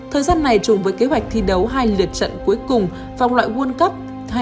thời gian này chùm với kế hoạch thi đấu hai lượt trận cuối cùng vòng loại world cup hai nghìn hai mươi